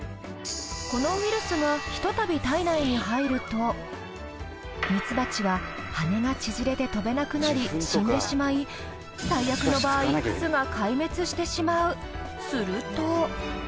このウイルスがひと度体内に入るとミツバチは羽が縮れて飛べなくなり死んでしまい最悪の場合すると。